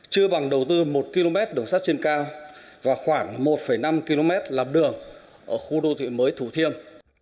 chưa bằng đầu tư một km đường sắt trên cao và khoảng một năm km làm đường ở khu đô thị mới thủ thiêm